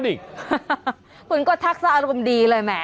บ๊อนิกฮ่าคุณก็ทักซะอารมณ์ดีเลยแม่